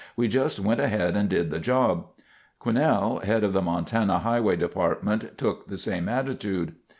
We just went ahead and did the job." Quinnell, head of the Montana Highway Department, took the same attitude.